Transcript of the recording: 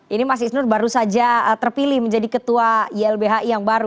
ini mas isnur baru saja terpilih menjadi ketua ylbhi yang baru